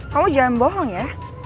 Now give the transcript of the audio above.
kamu jangan bohong ya